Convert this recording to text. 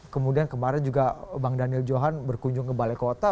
kemudian kemarin juga bang daniel johan berkunjung ke balai kota